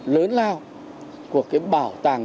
lớn lao của cái bảo tàng